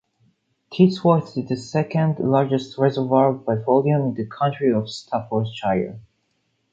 Tittesworth is the second largest reservoir by volume in the county of Staffordshire.